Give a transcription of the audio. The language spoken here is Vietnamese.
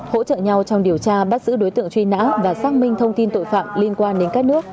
hỗ trợ nhau trong điều tra bắt giữ đối tượng truy nã và xác minh thông tin tội phạm liên quan đến các nước